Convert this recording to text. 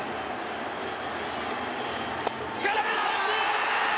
空振り三振！